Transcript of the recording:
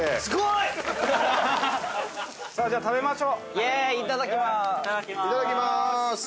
いただきます！